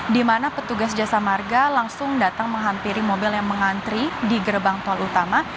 di mana petugas jasa marga langsung datang menghampiri mobil yang mengantri di gerbang tol utama